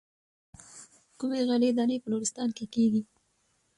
کومې غلې دانې په نورستان کې کېږي.